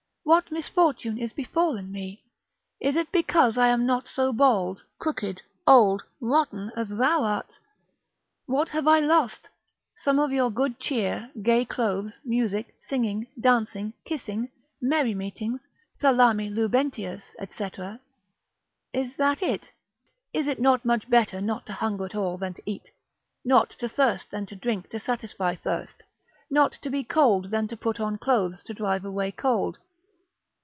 what misfortune is befallen me? Is it because I am not so bald, crooked, old, rotten, as thou art? What have I lost, some of your good cheer, gay clothes, music, singing, dancing, kissing, merry meetings, thalami lubentias, &c., is that it? Is it not much better not to hunger at all than to eat: not to thirst than to drink to satisfy thirst: not to be cold than to put on clothes to drive away cold?